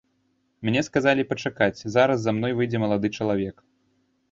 Мне сказалі пачакаць, зараз за мной выйдзе малады чалавек.